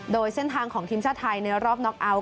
โดยเส้นทางของทีมชาติไทยในรอบน็อกเอาท์